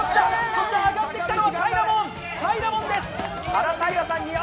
そして上がってきたのは、たいらもんです。